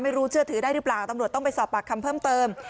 เชื่อถือได้หรือเปล่าตำรวจต้องไปสอบปากคำเพิ่มเติม